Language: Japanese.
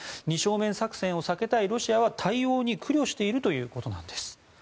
二正面作戦を避けたいロシアは対応に苦慮しているということなんです。